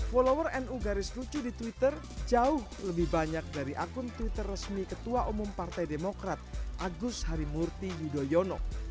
follower nu garis lucu di twitter jauh lebih banyak dari akun twitter resmi ketua umum partai demokrat agus harimurti yudhoyono